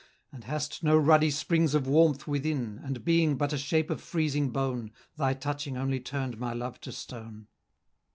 And hast no ruddy springs of warmth within, And being but a shape of freezing bone, Thy touching only turn'd my love to stone!"